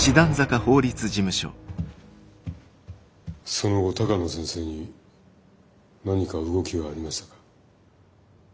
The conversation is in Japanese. その後鷹野先生に何か動きはありましたか？